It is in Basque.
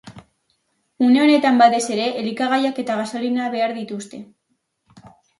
Une honetan, batez ere, elikagaiak eta gasolina behar dituzte.